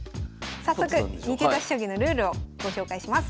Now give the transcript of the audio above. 早速二手指し将棋のルールをご紹介します。